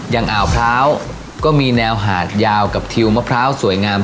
อ่าวพร้าวก็มีแนวหาดยาวกับทิวมะพร้าวสวยงาม